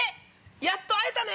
やっと会えたね。